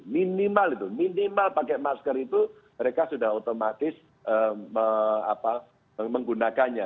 minimal itu minimal pakai masker itu mereka sudah otomatis menggunakannya